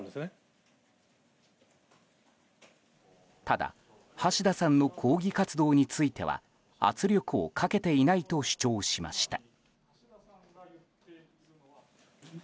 ただ橋田さんの抗議活動については圧力をかけていないと主張しました。